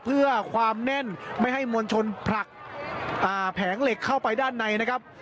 เพื่อความแน่นไม่ให้มวลชนผลักแผงเหล็กเข้าไปด้านในนะครับ